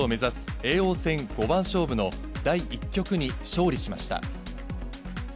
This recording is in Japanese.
叡王戦五番勝負の第１局に勝利しました。